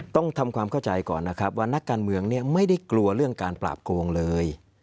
ต้องทำความเข้าใจก่อนนะครับว่านักการเมืองเนี่ยไม่ได้กลัวเรื่องการปราบโกงเลย